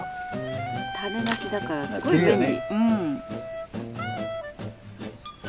種なしだからすごい便利！